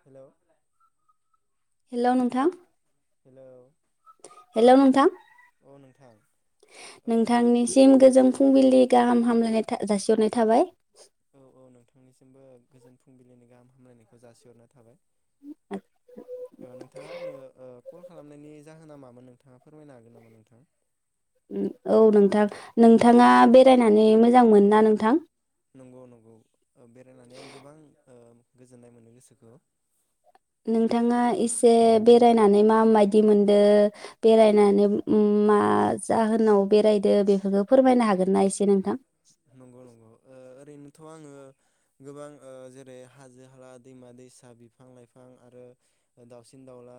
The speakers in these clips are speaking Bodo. हेल' हेलो नोंथां। हेलो। हेलो नोंथां नोंथां ओ नोंथांनिसिम गोजोन फुंबिलि गाहाम हामलायनाय। जासिहरनाय थाबाय। औ औ नोंथांनिसिम गोजोन फुंबिलिनि गाहाम हामलायनायखौ जासिहरना थाबाय। ओ नोंथाङा आंनो ओ कल खालामनायनि जाहोना मामोन नोंथाङा फोरमायनो हागोन नामा नोंथाङा? उम औ नोंथां नों नंगौ नंगौ बेरायनानै आं गोबां ओ गोजोननाय मोनो गोसोखौ। नोंथाङा एसे बेरायनानै माबायदि मोनदो बेरायनानै उम मा जाहोनाव बेरायदो बेफोरखौ फोरमायनो हागोन ना एसे नोंथां? नंगौ नंगौ ओ ओरैनो थ' आङो गोबां ओ जेरै हाजो हाला दैमा-दैसा बिफां-लाइफां आरो दाउसिन-दाउला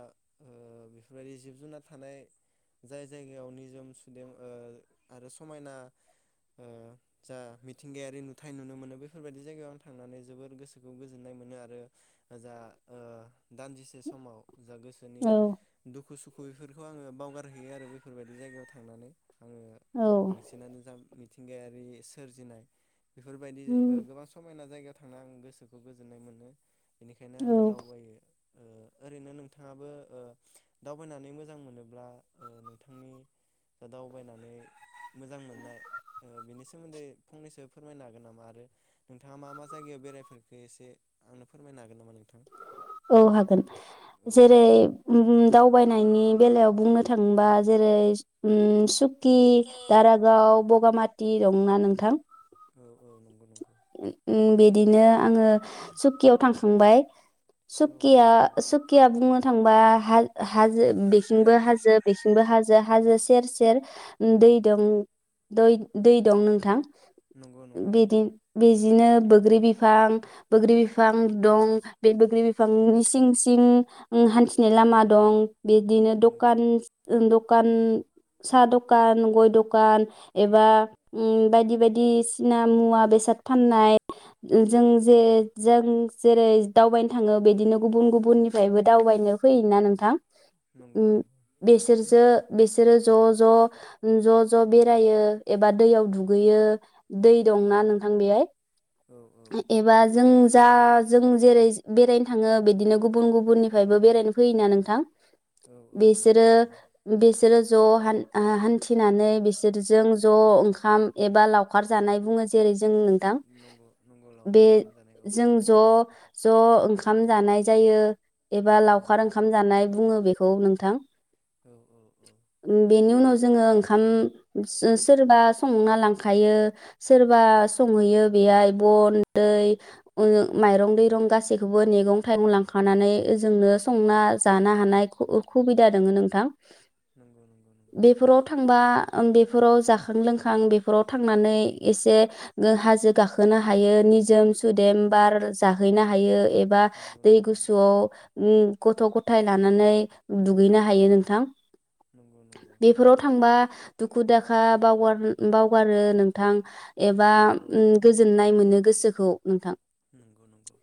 ओ बेफोरबायदि जिब-जुनार थानाय जाय जायगायाव निजोम सुदेम ओ आरो समायना ओ जा मिथिंगायारि नुथाय नुनो मोनो। बेफोरबायदि जायगायाव आं थांनानै जोबोर गोसोखौ गोजोननाय मोनो आरो जा ओ दान्जिसे समाव जा गोसोनि औ दुखु-सुखु बैफोरखौ आङो बावगारहैयो आरो बेफोरबायदि जायगायाव थांनानै। आङो औ बांसिनानो जा मि थिंगायारि सोरजिनाय बेफोरबायदि ओ गोबां समायना जायगायाव थांना आं गोसोखौ गोजोननाय मोनो। बेनिखायनो औ आङो दावबायो। ओ ओरैनो नोंथाङाबो ओ दावबायनानै मोजां मोनोब्ला नोंथांनि दावबायनानै मोजां मोननाय बेनि सो मोन्दै फंनैसो फोरमायनो हागोन नामा, आरो नोंथाङा मा मा जायगायाव बेरायफोरखो एसे आंनो फोरमायनो हागोन नामा नोंथां? औ हागोन औ जेरै उम दावबायनायनि बेलायाव बुंनो थाङोबा जेरै उम सु कि दारागाव, बगामाथि दंना नोंथां? औ औ नंगौ नंगौ उम बिदिनो। आङो सकियाव थां खांबाय औ औ सकिया नंगौ सकिया बुङो थांबा हा-हाजो बेथिंबो हाजो बेथिंबो हाजो हाजो सेर सेर दै दं दै दै दं नोंथां। नंगौ नंगौ नंगौ। बिदि बिदिनो बोग्रि बिफां बोग्रि बिफां दं बे बोग्रि बिफांनि सिं सिं ओ हान्थिनाय लामा दं। बिदिनो दकान ओ द दकान सा दकान गय दकान एबा ओ बायदि बायदिसिना मुवा बेसाद फाननाय जों जे जों जेरै दावबायनो थाङो बिदिनो गुबुन गुबुननिफ्रायबो दावबायनो फैयोना नोंथां। नंगौ ओ बेसोरसो बेस [unintelligible] ज ज ओ ज ज बेरायो एबा दैयाव दुगैयो दै दंना नंगौ नों नंगौ आं बेहाय औ औ एबा जों जा जों जेरै बेरायनो थाङो बिदिनो गुबुन गुबुननिफ्रायबो बेरायनो फैयोना नोंथां औ औ औ बेसोरो नंगौ बेस बिसोरो ज हान हान्थिनानै बिसोरजों ज ओंखाम एबा लावखार जानाय बुङो जेरै जोंनि नंगौ नंगौ [unintelligible] बे लावखार ओंखाम जानाय औ जों औ ज ज ओं ओंखाम जानाय जायो एबा लावखार नंगौ ओंखाम जानाय बुङो बेखौ। औ नोंथां औ औ औ ओम बेनि उनाव जोङो ओं ओंखाम सोरबा संना लांखायो सोरबा संहैयो बेहाय बन दै ओ माइरं दैरं गासैखौबो मैगं थाइगं लांखानानै ओजोंनो संना जानो हानाय खु खुबिदा दङो नोंथां नंगौ नंगौ नंगौ बेफोराव थांबा बेफोराव जाखां लोंखां बेफोराव थांनानै एसे हाजो गाखोनो हायो निजोम सुदेम बार जाहैनो हायो एबा नंगौ दै नंगौ गुसुआव ओम गथ गथाय लानानै दुगैनो हायो नोंथां नंगौ नंगौ बेफोराव थांबा दुखु दाखा बावगार बावगारो नोंथां। एबा ओ औ औ गोजोननाय मोनो गोसोखौ नोंथां नंगौ नंगौ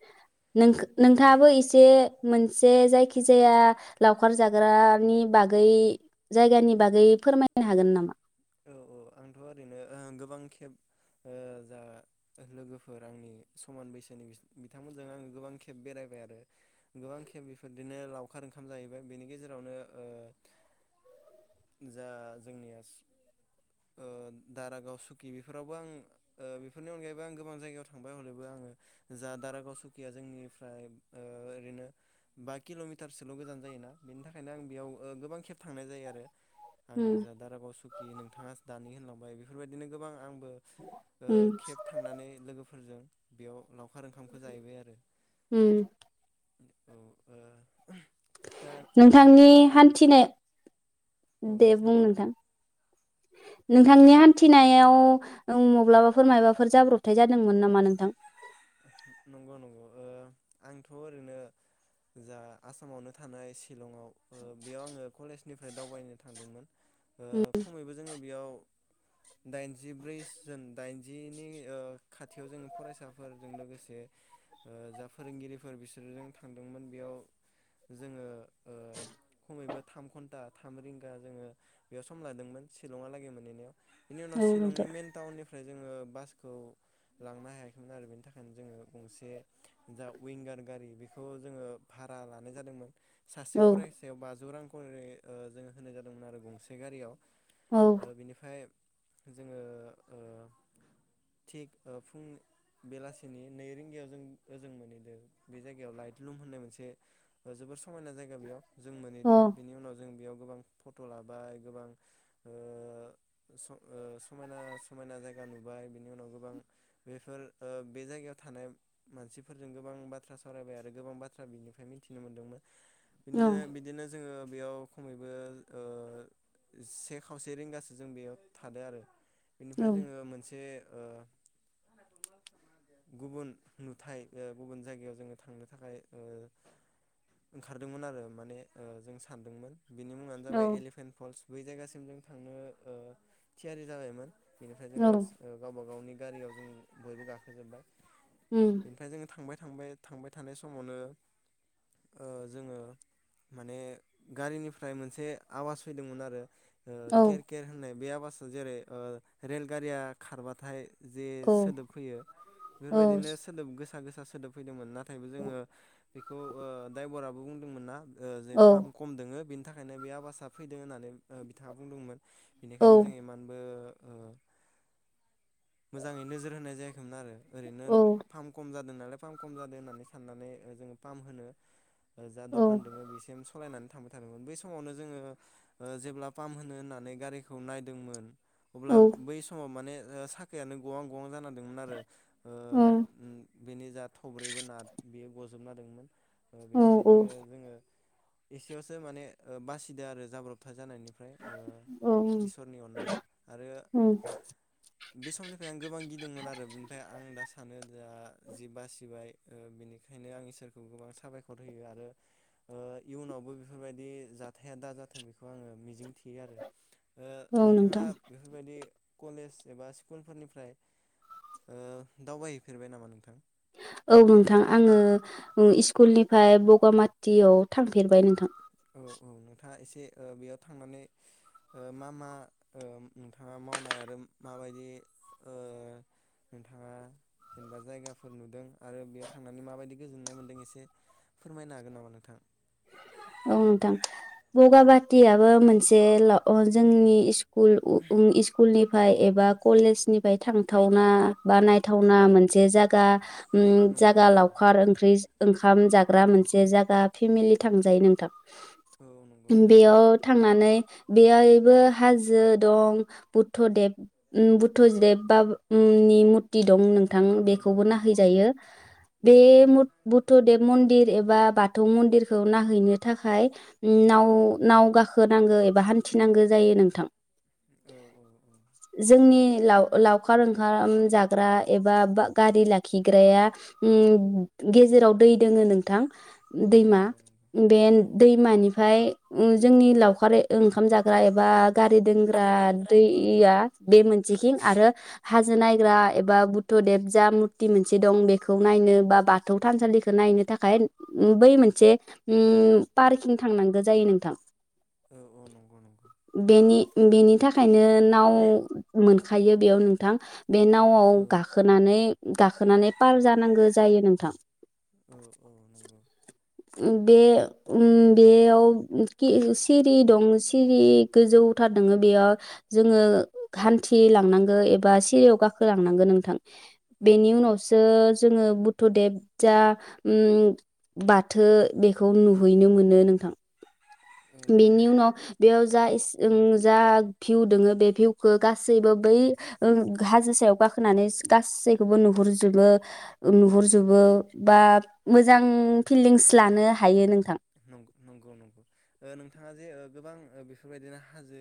नोंथाङाबो एसे मोनसे जायखिजाया लावखार जाग्रानि बागै जायगानि बागै फोरमायनो हागोन नामा? औ औ आंथ ओरैनो ओ गोबां खेब ओ जा लोगोफोर आंनि समान बैसोनि बिस बिथांमोनजों आङो गोबां खेब बेरायबाय आरो गोबां खेब बेफोरदोनो लावखार ओंखाम जाहैबाय बेनि गेजेरावनो जा जोंनिया ओ दारागाव सुकि बेफोरावबो आं ओ बेफोरनि अनगायैबो आं गोबां जायगायाव थांबाय हलेबो आङो जा दारागाव सुकिया जोंनिफ्राय ओरैनो बा किलमिटारसोल गोजान जायोना बेनि थाखायनो आं बेयाव गोबां खेब थांनाय जायो आरो आं उम जा दारागाव सुक [unintelligible] दानि होनलांबाय बेफोरबायदिनो गोबां आं ओ उम ओ खेब थांनानै लोगोफोरजों बेयाव लावखार ओंखामखौ जाहैबाय आरो उम औ ओ जा ओ नोंथांनि नोंथाङा हान्थिनाय दे बुं नोंथां औ दे नोंथांनि होमबा हान्थिनायाव नों माब्लाबाफोर मायबाफोर जाब्रबथाय जादोंमोन नामा नोंथां? नंगौ नंगौ ओ आंथ ओरैनो जा आसामावनो थानाय शिलंआव बेयाव आङो कलेजनिफ्राय दावबायनो थांदोंमोन उम खमैबो जोङो बेयाव दाइनजिब्रै दाइनजिनि खाथियाव जोंनि फरायसा फोरजों लोगोसे जा फोरोंगिरिफोर बिसोरजों थांदोंमोन बेयाव जोङो खमैबो थाम घन्टा थाम रिंगा जोङो बेयाव सम लादोंमोन शिलंहालागै मोनहैनायाव। बिनि उनाव औ शिलंनि नोंथां मेन टाउननिफ्राय जोङो बासखौ लांनो हायाखै थांओ आरो बेनि थाखायनो जोङो गंसे जा विंगार गारि बेखौ जोङो भारहा लानाय जादोंमोन सासे औ फरायसायाव बाजौ रां खरै ओ जोङो होनाय जादोंमोन आरो गंसे गारियाव औ ओ बिनिफ्राय जोङो ओ थिग ओ फुं बेलासिनि नै रिंगायाव जों ओजों मोनहैदो। बे जायगायाव लाइटलुम होन्नाय मोनसे जोबोर स समायना जायगा बेयाव जों औ मोनहैदो बिनि उनाव जों बेयाव गोबां फट' लाबाय गोबां ओ स ओ समायना समायना जायगा नुबाय बिनि उनाव गोबां बेफोर ओ बे जायगायाव थानाय मानसिफोरजों गोबां बाथ्रा सावरायबाय आरो गोबां बाथ्रा बिनिफ्राय मिथिनो मोन्दोंमोन। औ बिनिजाय बिदिनो जोङो बेयाव खमैबो ओ से खावसे रिंगासो जों बेयाव थादो आरो बेनिफ्राय जोङो मोनसे ओ गुबुन नुथाय ओ गुबुन जायगायाव जोङो थांनो थाखाय ओ ओंखारदोंमोन आरो माने ओ जों सान्दोंमोन बिनि मुङानो औ जाबाय एलिफेन फल्स बै जायगासिम जों थांनो ओ थियारि जाबायमोन बिनिफ्राय जोङो औ गावबा गावनि गारियाव जों बयबो गाखो जोब्बाय उम बेनिफ्राय जोङो थांबाय थांबाय थांबाय थानाय समावनो ओ जोङो माने गारिनिफ्राय मोनसे आवास फैदोंमोन आरो ओ औ केेर केेर होन्नाय बे आवासा जेरै ओ रेलगारिया खारबाथाय जे औ सोदोब फैयो औ बेफोरबायदिनो सोदोब गोसा गोसा सोदोब फैदोंमोन ना नाथायबो जोङो बेखौ ओ दायबरा बुंदोंमोन ना ओ जे औ फाम खम दोङो बेनि बिनि थाखायनो बे आवासा फैदों होन्नानै बिथाङा बुंदोंमोन औ बेनिखायनो जों इमानबो ओ मोजाङै नोजोर होनाय नो आरो ओरैनो औ फाम खम जादों नालाय फाहाम खम जादों होननानै साननानै जोङो फाहाम होनो जा दखान औ दोङो बेसिम सलायनानै थांबाय थादोंमोन बै समावनो जोङो ओ जेब्ला पाम होनो होननानै गारिखौ नायदोंमोन अब्ला औ बै समाव माने ओ साखायानो गवां गवां जानानै नारो ओ ओम बेनि जा थब्रैबो नाथ गजोब जोबना दङोमोन ओ औ बेनिखायनो औ जोङो एसेयावसो माने बासिदो आरो जाब्रबथाय जानायनिफ्राय ओ औ इसोरनि अननायाव आरो बे समनिफ्राय आं गोबां गिनाय नारो बिनिफाय दा आं सानो दा जि बासि बाय ओ बेनिखायनो आं इसोरखौ गोबां साबायखर होयो आरो ओ इयुनावबो बेफोरबायदि जाथाया दा जाथों बेखौ आङो मिजिंथि बे‌ आरो ओ औ नोंथाङा नोंथां बेफोरबायदि कलेज एबा स्कुलफोरनिफ्राय ओ दावबायहैफेरबाय नामा नोंथां औ नोंथां आङो ओ स्कुलनिफ्राय बगामाथियाव थांफेरबाय नोंथां ओ औ नोंथाङा एसे ओ बेयाव थांनानै ओ मा मा ओ नोंथाङा मावनाय आरो माबायदि ओ नोंथाङा जेनेबा जायगाफोर नुदों आरो बेयाव थांनानै माबायदि गोजोननाय मोनदों एसे फोरमायनो हागोन नामा नोंथां औ नोंथां बगा बाथियाबो मोनसे ल जोंनि खुल इस्कुलनि बाय एबा कलेजनि बाय फ्राय थांथावना थांथाव बा नायथावना मोनसे जागा ओम नंगौ जागा नंगौ लावखार ओंख्रि ओंखाम जाग्रा मोनसे जागा फेमिलि थां जायो नोंथां औ नंगौ नंगौ बेयाव थांनानै बेयावहायबो हाजो दं बुद्धदेब ओम बुद्धदेबा मुंनि मुरति दं नों थां नंगौ बेखौबो नंगौ नाहैजायो औ बे औ मुर बुद्धदेब मन्दिर एबा बाथौ मन्दिरखौ ना हैनो थाखाय नाव नाव गाखोनांगौ एबा हान्थिनांगौ जायो नोंथां औ औ औ जोंनि लाव-लावखार ओंखाम जाग्रा एबा बा गारि लाखिग्राया हम गेजेराव दै दोङो नोंथां दैमा नंगौ नंगौ बेन औ औ दैमानिफ्राय ओम जोंनि लावखार ओंखाम जाग्रा एबा गारि दोनग्रा गारि दोनग्रा दैया बे मोन सेखिं आरो हाजो नायग्रा एबा बुद्धदेब जा मुरति मोनसे दं बेखौ नायनो बा बाथौ थानसालिखौ नायनो थाखाय ओम बै मोनसे उम पार्कथिं थांनांगौ जायो नोंथां औ औ नंगौ नंगौ बेनि बेनि थाखायनो नाव मोन थायो बेयाव नोंथां बे नावआव औ औ गाखोनानै गाखोनानै पार जानांगौ जायो नोंथां। औ औ नंगौ। ओम बे हम बे-बेयाव सिरि दं सिरि गोजौथार दङो बेयाव जोङो हान्थिलांनांगौ एबा सिरियाव गाखोलांनांगौ नोंथां। औ बेनि औ उनावसो जोङो बुद्धदेब जा ओम बाथ थो बेखौ नुहैनो मोनो नोंथां। औ बेनि उनाव बेयाव जा ओम जा भिउ दोङो बे भिउखौ गासैबो बै हाजो सायाव गाखोनानै गासैखौबो नुहरजोबो नुहरजोबो बा मोजां फिलिंस लानो हायो नोंथां। औ नोंथाङा जे ओ गोबां बेफोरबायदिनो हाजो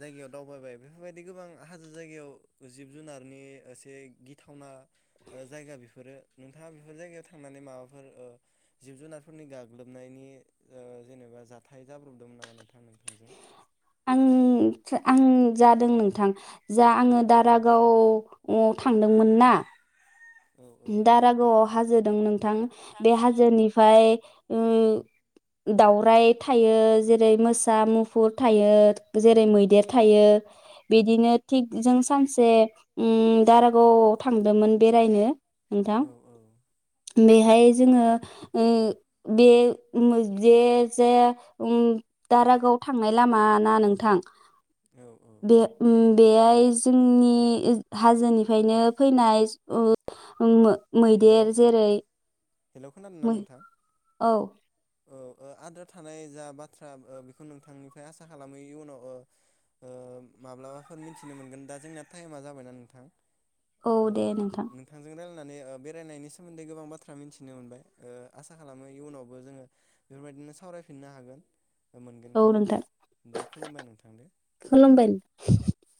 जायगायाव दावबायबाय बेफोरबायदि गोबां हाजो जायगायाव जिब जुनारनि एसे गिथावना ओ जायगा बेफोरो नोंथाङा बेफोर जायगायाव थांनानै माबाफोर ओ जिब जुनारफोरनि गाग्लोबनायनि ओ जेनेबा जाथाय जाब्रबदोंमोन नामा नोंथां नोंथांजों? ओम आं जादों नोंथां जा औ आङो औ दारागाव आव थांदोंमोन ना औ औ दारागावआव हाजो दं नोंथां बे हाजोनिफ्राय उम दावराय थायो जेरै मोसा, मुफुर थायो, जेरै मैदेर थायो बिदिनो थिग जों सानसे ओम दारागावआव थांदोंमोन बेरायनो नोंथां। औ औ बेहाय जोङो ओम बे मोन जे जे ओम दारागाव थांनाय लामाना नोंथां औ बे उम बेहाय जोंनि हाजोनिफ्रायनो फैनाय अ उम हेलौ मैदेर जेरै हेलौ मै ओउ ओउ ओ आद्रा थानाय जा बाथ्रा ओ बेखौ नोंथांनिफ्राय आसा खालामो इयनाव ओ ओ माब्लाबाफोर मिथिनो मोनगोन दा जोंना टाइमा जाबायना नोंथां? ओउ दे नोंथां। नानै ओ बेरायनायनि सोमोन्दै गोबां बाथ्रा मिथिनो मोनबाय ओ आसा खालामो इयुनावबो जोङो बेफोरबायदिनो सावरायफिननो हागोन। ओउ मोनगोनखौ नोंथां दे खुलुमबाय नोंथां दे खुलुमबाय।